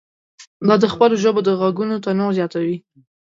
دا د خپلو ژبو د غږونو تنوع زیاتوي.